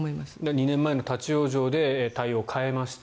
２年前の立ち往生で対応を変えました。